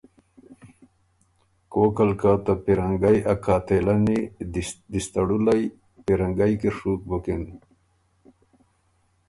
کوک ال که ته پیرنګئ ا قاتلنی دِستړُولئ پیرنګئ کی ڒُوک بُکِن